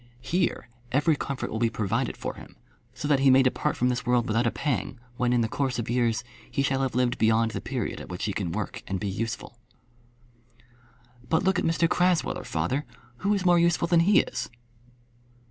Here every comfort will be provided for him, so that he may depart from this world without a pang, when, in the course of years, he shall have lived beyond the period at which he can work and be useful." "But look at Mr Crasweller, father. Who is more useful than he is?"